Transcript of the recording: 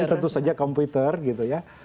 dalam hal ini tentu saja komputer gitu ya